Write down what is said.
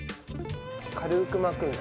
軽く巻くんだね。